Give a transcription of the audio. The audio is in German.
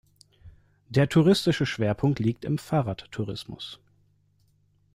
Der touristische Schwerpunkt liegt im Fahrradtourismus.